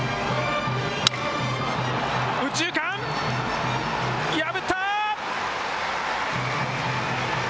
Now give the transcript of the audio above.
右中間、破った。